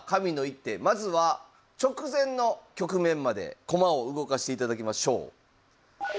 まずは直前の局面まで駒を動かしていただきましょう。